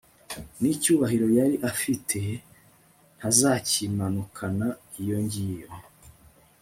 n'icyubahiro yari afite ntazakimanukana iyo ngiyo